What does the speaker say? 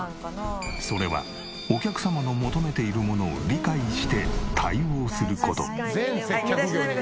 それはお客様の求めているものを理解して対応する事。